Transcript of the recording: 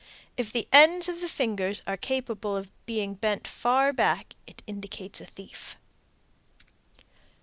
If the ends of the fingers are capable of being bent far back, it indicates a thief.